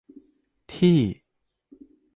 ที่